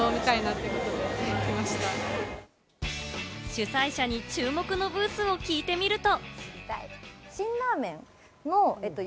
主催者に注目のブースを聞いてみると。